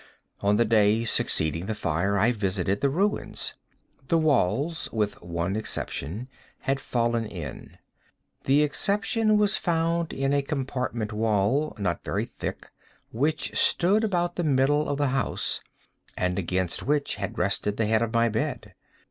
On the day succeeding the fire, I visited the ruins. The walls, with one exception, had fallen in. This exception was found in a compartment wall, not very thick, which stood about the middle of the house, and against which had rested the head of my bed.